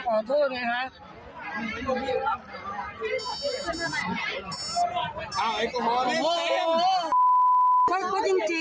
ก็คือแบบพวกเราขอโทษนะครับ